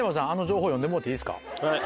はい。